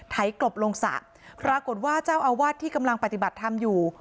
กลบลงสระปรากฏว่าเจ้าอาวาสที่กำลังปฏิบัติธรรมอยู่